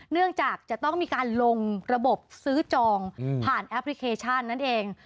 เนื่องจากจะต้องมีการลงระบบซื้อจองผ่านแอปพลิเคชันนั่นเอง